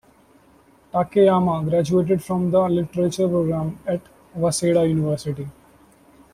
Takeyama graduated from the Literature program at Waseda University.